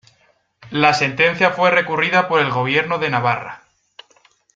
La sentencia fue recurrida por el Gobierno de Navarra.